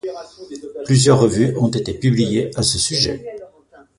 Plusieurs revues ont été publiées à ce sujet.